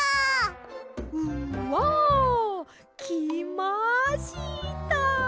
うわきました！